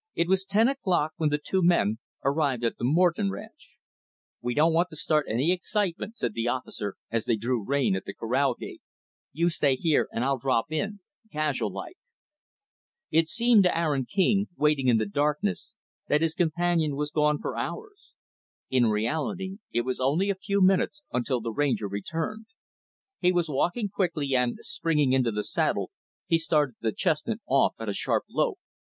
It was ten o'clock when the two men arrived at the Morton ranch. "We don't want to start any excitement," said the officer, as they drew rein at the corral gate. "You stay here and I'll drop in casual like." It seemed to Aaron King, waiting in the darkness, that his companion was gone for hours. In reality, it was only a few minutes until the Ranger returned. He was walking quickly, and, springing into the saddle he started the chestnut off at a sharp lope.